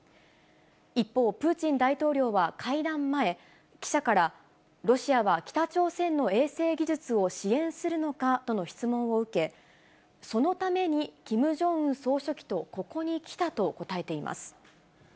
一方、プーチン大統領は会談前、記者から、ロシアは北朝鮮の衛星技術を支援するのかとの質問を受け、そのためにキム・ジョンウン総書記とここに来たと答えています。